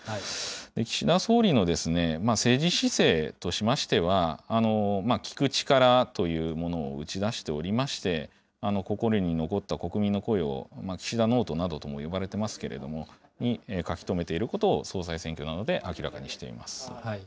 岸田総理の政治姿勢としましては、聞く力というものを打ち出しておりまして、心に残った国民の声を、岸田ノートなどとも呼ばれてますけれども、書き留めていることを、総裁選挙などで明らかにしています。